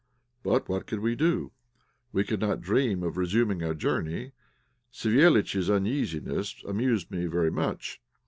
But what could we do? We could not dream of resuming our journey. Savéliitch's uneasiness amused me very much.